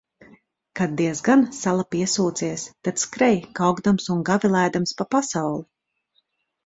Kad diezgan sala piesūcies, tad skrej kaukdams un gavilēdams pa pasauli.